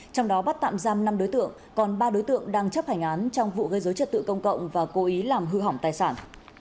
trong đó bắt tạm giam năm đối tượng còn ba đối tượng đang chấp hành án trong vụ gây dối trật tự công cộng và cố ý làm hư hỏng tài sản